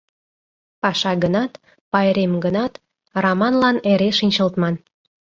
«Паша гынат, пайрем гынат, Раманлан эре шинчылтман.